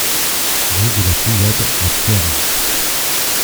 Rue de la Fouillade à Teyran